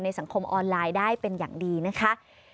สังคมออนไลน์ได้เป็นอย่างดีนะคะ